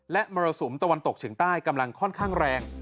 และมรสุมตะวันตกเฉียงใต้กำลังค่อนข้างแรง